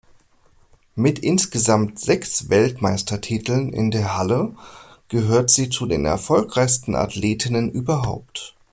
Mit insgesamt sechs Weltmeistertiteln in der Halle gehört sie zu den erfolgreichsten Athletinnen überhaupt.